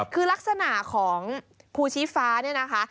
คือลักษณะของภูชีฟ้าเนี่ยนะคะ